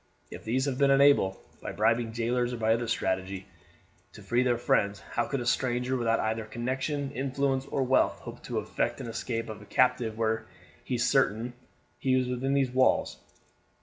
If these have been unable, by bribing jailers or by other strategy, to free their friends, how could a stranger, without either connection, influence, or wealth, hope to effect the escape of a captive were he certain that he was within the walls.